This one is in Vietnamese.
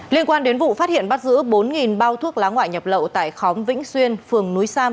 liên quan đến vụ phát hiện bắt giữ bốn bao thuốc lá ngoại nhập lậu tại khóm vĩnh xuyên phường núi sam